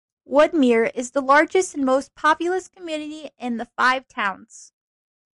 Woodmere is the largest and most populous community in the Five Towns.